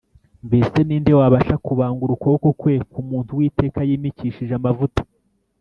Mbese ni nde wabasha kubangura ukuboko kwe ku muntu Uwiteka yimikishije amavuta ?